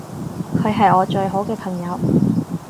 佢係我最好嘅朋友